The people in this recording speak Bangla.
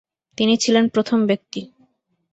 তিনি ছিলেন প্রথম ব্যক্তি।